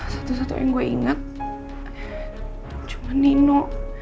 satu satu yang gue inget cuma nino